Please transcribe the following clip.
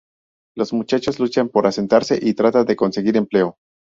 Los muchachos luchan por asentarse y tratan de conseguir empleo.